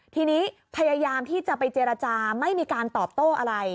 ทีนี้พยายามที่จะไปเจรจาไม่มีการตอบโต้อะไร